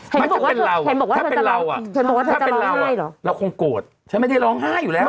เห็นบอกว่าถ้าเป็นเราอ่ะเราคงโกรธฉันไม่ได้ร้องไห้อยู่แล้ว